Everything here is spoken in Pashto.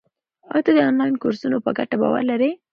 آیا ته د انلاین کورسونو په ګټه باور لرې؟